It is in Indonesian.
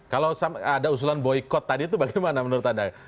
kalau ada usulan boykot tadi itu bagaimana menurut anda